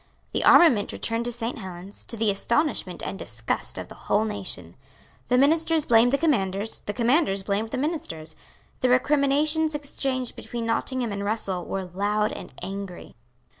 The armament returned to Saint Helens, to the astonishment and disgust of the whole nation. The ministers blamed the commanders; the commanders blamed the ministers. The recriminations exchanged between Nottingham and Russell were loud and angry.